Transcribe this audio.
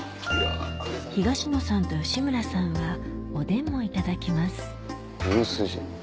東野さんと吉村さんはおでんもいただきます牛すじ。